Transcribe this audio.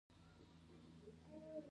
هېواد د وینې په بیه ازاد شوی